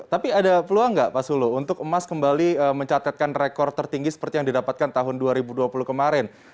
tapi ada peluang nggak pak sulu untuk emas kembali mencatatkan rekor tertinggi seperti yang didapatkan tahun dua ribu dua puluh kemarin